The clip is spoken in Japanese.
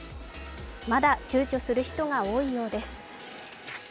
まだ、ちゅうちょする人が多いようです。